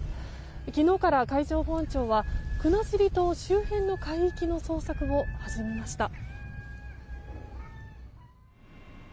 昨日から海上保安庁は国後島周辺の海域の捜索も始めました。